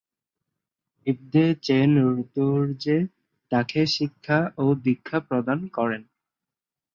ব্দে-ছেন-র্দো-র্জে তাকে শিক্ষা ও দীক্ষা প্রদান করেন।